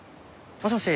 もしもし。